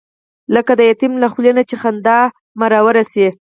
لکه د یتیم له خولې نه چې خندا مروره شي.